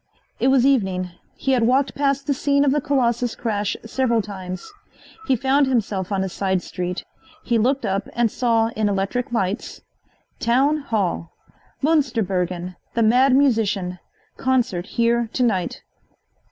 It was evening. He had walked past the scene of the Colossus crash several times. He found himself on a side street. He looked up and saw in electric lights: TOWN HALL Munsterbergen, the Mad Musician Concert Here To night.